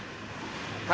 はい。